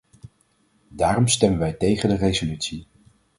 Daarom stemmen wij tegen de resolutie.